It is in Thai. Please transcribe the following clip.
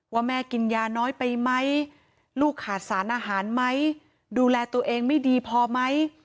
ว่าแม่กินยาน้อยไปไหมลูกขาดสารอาหารไหมดูแลตัวเองไม่ดีพอไหม